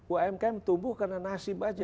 umkm tumbuh karena nasib aja